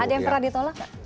ada yang pernah ditolak